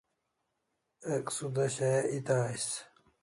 Ek suda shaya eta ais